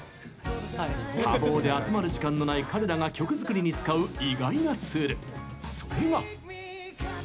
多忙で集まる時間のない彼らが曲作りに使う意外なツールそれが。